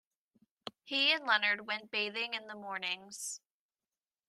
He and Leonard went bathing in the mornings.